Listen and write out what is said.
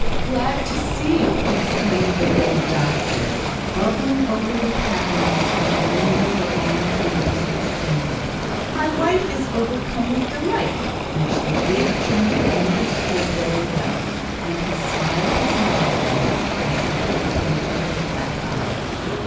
"Glad to see you!" exclaimed the little doctor, bubbling over with happiness, and wringing the long fingers extended. "My wife is overcome with delight," which the big German understood very well; and he smiled his knowledge of it, as he looked into her black eyes.